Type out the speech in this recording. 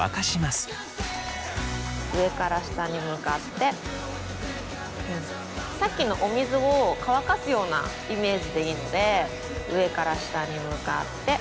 上から下に向かってさっきのお水を乾かすようなイメージでいいので上から下に向かって。